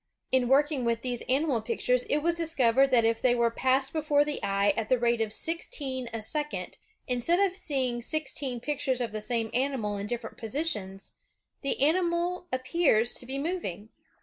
In working with these animal pictures, it was discovered that if they were passed before the eye at the rate of sixteen a second, instead of seeing sixteen pictures of the same animal in different positions, the animal ap pears to be moving.